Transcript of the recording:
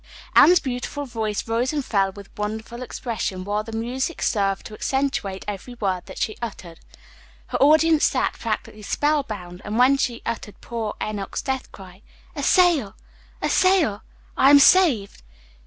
Anne's beautiful voice rose and fell with wonderful expression, while the music served to accentuate every word that she uttered. Her audience sat practically spell bound, and when she uttered poor Enoch's death cry, "A sail! A sail! I am saved!"